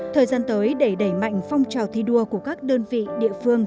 thời gian tới để đẩy mạnh phong trào thi đua của các đơn vị địa phương